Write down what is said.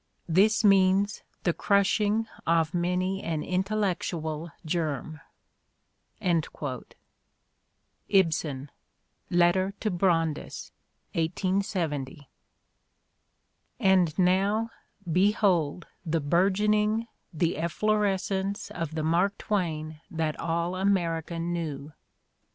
This means the crushing of many an intellectual germ." Ibsen: Letter to Brandes, 1870. AND now, behold the burgeoning, the efflorescence of the Mark Twain that all America knew